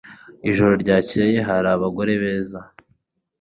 Ijoro ryakeye hari abagore beza. (alexmarcelo)